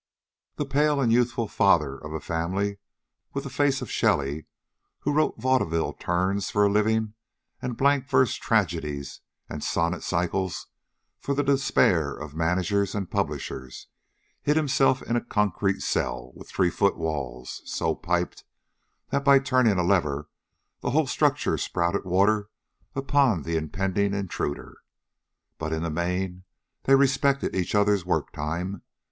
The pale and youthful father of a family, with the face of Shelley, who wrote vaudeville turns for a living and blank verse tragedies and sonnet cycles for the despair of managers and publishers, hid himself in a concrete cell with three foot walls, so piped, that, by turning a lever, the whole structure spouted water upon the impending intruder. But in the main, they respected each other's work time.